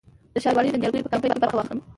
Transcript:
د ښاروالۍ د نیالګیو په کمپاین کې برخه واخلم؟